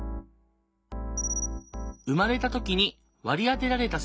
生まれた時に「割り当てられた性」。